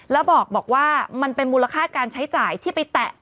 แล้วบอกว่ามันเป็นมูลค่าการใช้จ่ายที่ไปแตะ